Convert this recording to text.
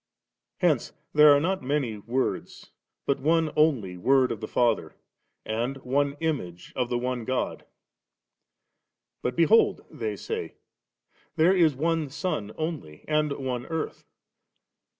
Hence there are not many Words, but one only Word of the one Father, and one Image of the one God*. *But behold,' they say, * there is one sun only 3, and one earth.'